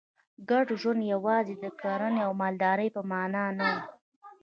ګډ ژوند یوازې د کرنې او مالدارۍ په معنا نه و.